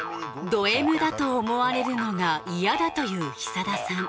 ドＭだと思われるのが嫌だという久田さん